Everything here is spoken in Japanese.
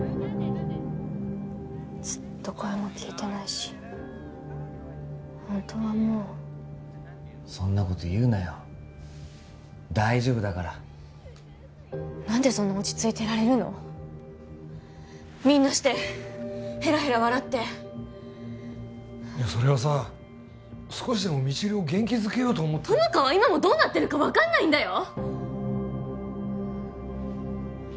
ずっと声も聞いてないし本当はもうそんなこと言うなよ大丈夫だから何でそんな落ち着いてられるのみんなしてヘラヘラ笑っていやそれはさ少しでも未知留を元気づけようと思って友果は今もどうなってるか分かんないんだよ！？